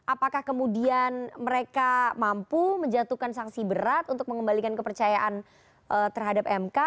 apakah kemudian mereka mampu menjatuhkan sanksi berat untuk mengembalikan kepercayaan terhadap mk